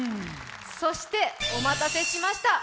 そして、お待たせしました。